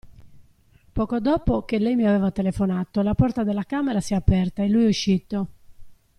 Poco dopo che lei mi aveva telefonato, la porta della camera si è aperta e lui è uscito.